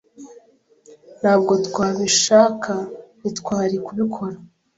Nubwo twabishaka, ntitwari kubikora.